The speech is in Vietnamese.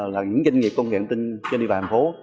là những doanh nghiệp công nghệ tin trên địa bàn thành phố